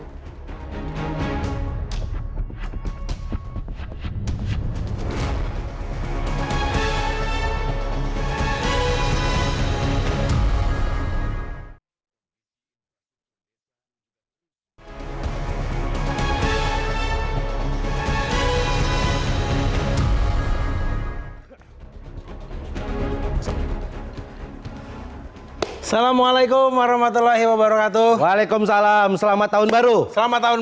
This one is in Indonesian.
hai assalamualaikum warahmatullahi wabarakatuh waalaikumsalam selamat tahun baru selamat tahun